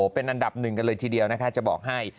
เป็นอันดับหนึ่งกันเลยทีเดียวนะคะจะบอกให้